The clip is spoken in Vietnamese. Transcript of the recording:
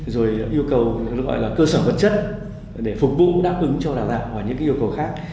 rồi yêu cầu gọi là cơ sở vật chất để phục vụ đáp ứng cho đào tạo và những yêu cầu khác